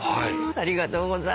ありがとうございます。